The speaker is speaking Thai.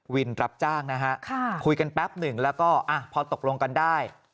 รับจ้างนะฮะคุยกันแป๊บหนึ่งแล้วก็พอตกลงกันได้